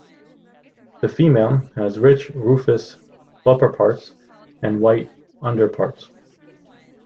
The female has rich rufous upperparts and white underparts.